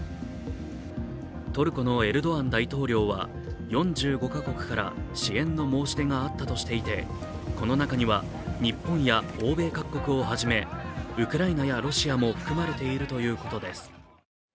トルコのエルドアン大統領は４５か国から支援の申し出があったとしていてこの中には日本や欧米各国をはじめウクライナやロシアも含まれているということです。